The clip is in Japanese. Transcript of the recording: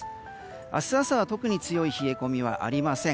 明日朝は特に強い冷え込みはありません。